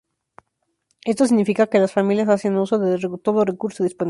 Esto significa que las familias hacen uso de todo recurso disponible.